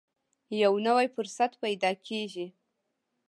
یو نوی فرصت پیدا کېږي.